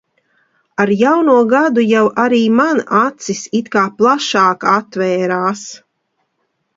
Ar jauno gadu jau arī man acis it kā plašāk atvērās.